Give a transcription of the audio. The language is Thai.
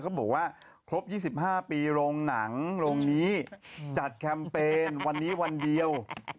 เขาบอกว่าจดแคมเปณวันนี้วันเดียว